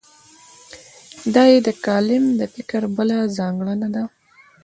دا یې د کالم د فکر بله ځانګړنه ده.